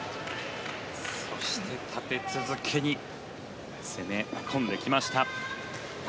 立て続けに攻め込んできました。